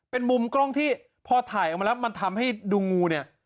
เป็นมุมกล้องที่พอถ่ายออกมาแล้วมันทำให้ดูงูเนี่ย